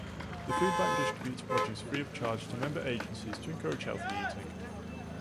The foodbank distributes produce free of charge to member agencies to encourage healthy eating.